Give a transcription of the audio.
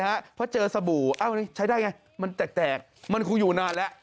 เพราะเจอสบู่ใช้ได้ไงมันแตกมันคงอยู่นานแล้ว